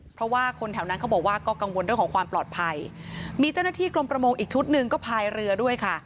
เพราะว่าคนแถวนั้นเขาบอกว่าก็กังวลเรื่องของความปลอดภัยมีเจ้าหน้าที่กรมประมงอีกชุดหนึ่งก็พายเรือด้วยค่ะ